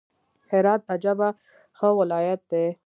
هرات عجبه ښه ولايت دئ!